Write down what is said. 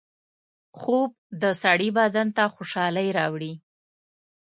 خوب د سړي بدن ته خوشحالۍ راوړي